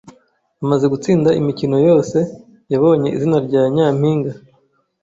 Amaze gutsinda imikino yose, yabonye izina rya nyampinga.